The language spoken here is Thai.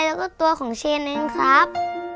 แล้วก็ตัวของเชนเองครับ